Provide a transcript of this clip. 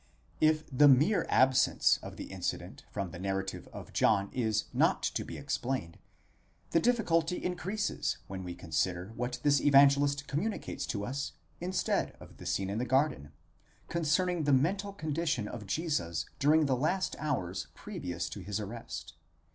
If the mere absence of the incident from the narrative of John is not to be explained, the difficulty increases when we consider what this Evangelist communicates to us instead of the scene in the garden, concerning the mental condition of Jesus during the last hours previous to his arrest.